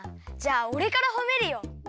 じゃあおれからほめるよ。